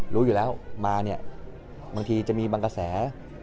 รู้อยู่แล้วมาเนี่ยบางทีจะมีบางกระแส